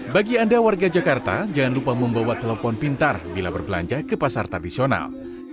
bagi anda warga jakarta jangan lupa membawa telepon pintar bila berbelanja ke pasar tradisional